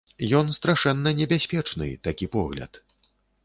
Ён страшэнна небяспечны, такі погляд.